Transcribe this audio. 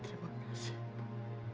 terima kasih ibu